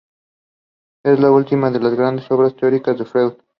Es la última de las grandes obras teóricas de Freud.